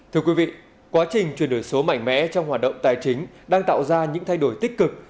thưa quý vị quá trình chuyển đổi số mạnh mẽ trong hoạt động tài chính đang tạo ra những thay đổi tích cực